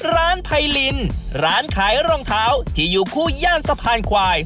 ไพรินร้านขายรองเท้าที่อยู่คู่ย่านสะพานควาย